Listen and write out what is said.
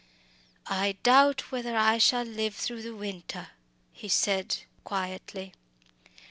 "I doubt whether I shall live through the winter," he said quietly.